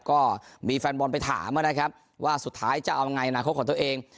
ก็มีแฟนบอลไปถามนะครับว่าสุดท้ายจะเอายังไงอนาคตของตัวเอง